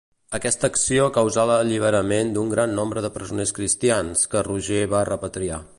Aquesta acció causà l'alliberament d'un gran nombre de presoners cristians, que Roger va repatriar.